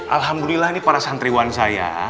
alhamdulillah ini para santriwan saya